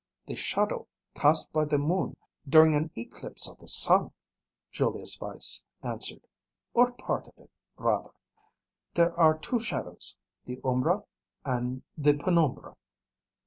"The shadow cast by the moon during an eclipse of the sun," Julius Weiss answered. "Or part of it, rather. There are two shadows. The umbra and the penumbra."